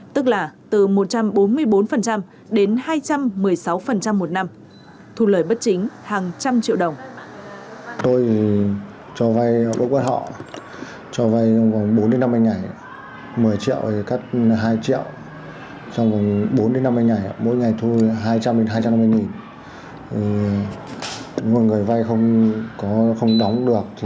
tức là từ một trăm bốn mươi bốn đến hai trăm một mươi sáu một năm thu lời bất chính hàng trăm triệu đồng